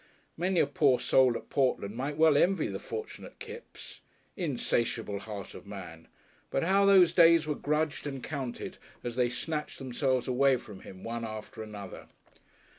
Many a poor soul at Portland might well envy the fortunate Kipps. Insatiable heart of man! but how those days were grudged and counted as they snatched themselves away from him one after another!